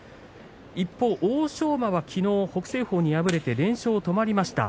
一方、欧勝馬は昨日、北青鵬に敗れて連勝が止まりました。